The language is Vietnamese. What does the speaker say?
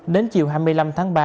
đến chiều hai mươi năm tháng ba